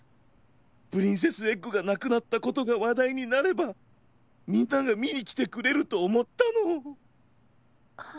プリンセスエッグがなくなったことがわだいになればみんながみにきてくれるとおもったの。